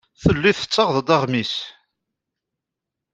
Telliḍ tessaɣeḍ-d aɣmis.